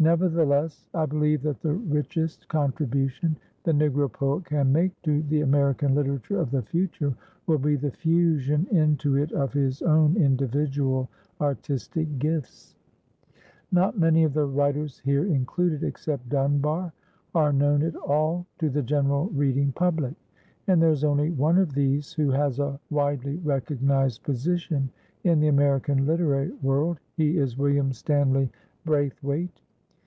Nevertheless, I believe that the richest contribution the Negro poet can make to the American literature of the future will be the fusion into it of his own individual artistic gifts. Not many of the writers here included, except Dunbar, are known at all to the general reading public; and there is only one of these who has a widely recognized position in the American literary world, he is William Stanley Braithwaite.